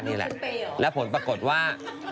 นี่แหละแล้วผลปรากฏว่า